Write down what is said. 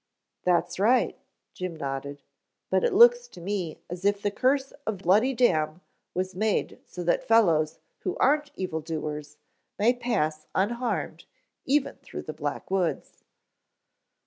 "That's right," Jim nodded, "but it looks to me as if the curse of Bloody Dam was made so that fellows who aren't evil doers may pass unharmed even through the Black Woods."